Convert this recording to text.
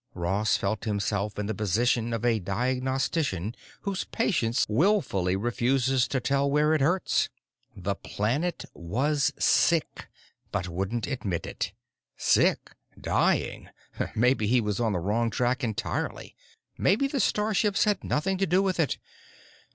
Ross felt himself in the position of a diagnostician whose patient willfully refuses to tell where it hurts. The planet was sick—but wouldn't admit it. Sick? Dying! Maybe he was on the wrong track entirely. Maybe the starships had nothing to do with it.